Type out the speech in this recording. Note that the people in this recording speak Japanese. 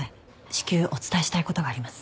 至急お伝えしたい事があります。